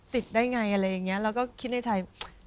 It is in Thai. ติดได้ไงเราก็คิดในใจ